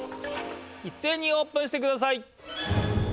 いっせいにオープンしてください！